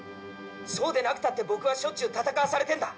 「そうでなくたって僕はしょっちゅう戦わされてんだ」